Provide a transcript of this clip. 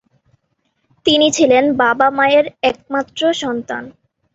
তিনি ছিলেন বাবা-মায়ের একমাত্র সন্তান।